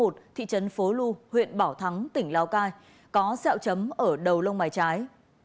thị trấn phố lu huyện bảo thắng tỉnh lào cai có xeo chấm ở đầu lông mái trái